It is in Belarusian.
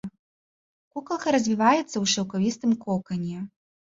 Кукалка развіваецца ў шаўкавістым кокане.